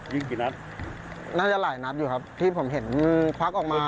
ยิงกี่นัดน่าจะหลายนัดอยู่ครับที่ผมเห็นควักออกมา